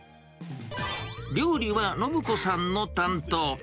料理は宣子さんの担当。